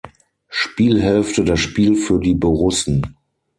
Spielhälfte das Spiel für die Borussen.